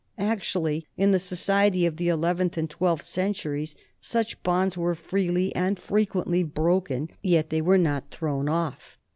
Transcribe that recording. Actually, in the society of the eleventh and twelfth centuries, such bonds were freely and frequently broken, yet they were not thrown off.